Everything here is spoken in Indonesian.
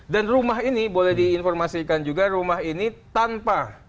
dan rumah ini boleh diinformasikan juga rumah ini tanpa